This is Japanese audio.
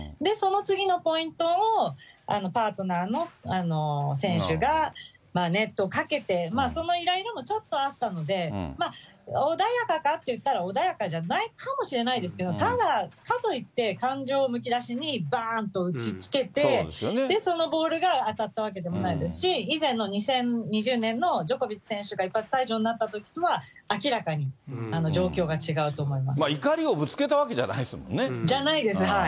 主審のミスなので、その次のポイントをパートナーの選手が、ネットかけて、そのいらいらもちょっとあったので、穏やかかっていったら、穏やかじゃないかもしれないですけど、ただ、かといって、感情をむき出しに、ばーんと打ちつけて、そのボールが当たったわけでもないですし、以前の２０２０年のジョコビッチ選手が一発退場になったときとは怒りをぶつけたわけじゃないじゃないです、はい。